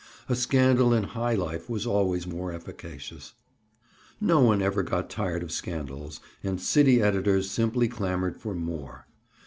A scandal in high life was always more efficacious. No one ever got tired of scandals and city editors simply clamored for "more."